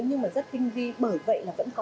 nhưng rất tinh vi bởi vậy vẫn có